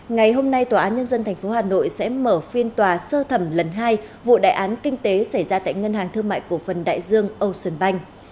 ngày hôm nay tòa án nhân dân tp hà nội sẽ mở phiên tòa sơ thẩm lần hai vụ đại án kinh tế xảy ra tại ngân hàng thương mại cổ phần đại dương ocean bank